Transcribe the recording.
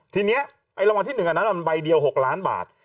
ทีนี้ไอ้รางวัลที่๑อันนั้นมันใบเดียว๖ล้านบาท